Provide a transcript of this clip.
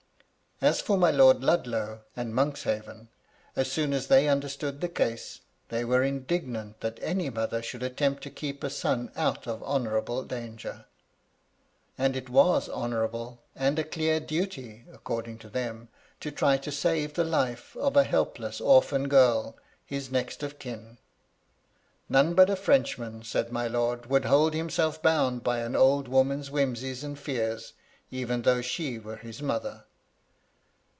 As for my Lord Ludlow and Monks haven, as soon as they understood the case, they were indignant that any mother should attempt to keep a son out of honourable danger ; and it was honourable, and a clear duty (according to them) to try to save the life of a helpless orphan girl, his next of kin. None but a Frenchman, said my lord, would hold himself bound by an old woman's whimsies and fears, even though she were his mother.